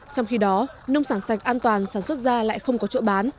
trong khi đó nông sản sạch an toàn sản xuất ra lại không có chỗ bán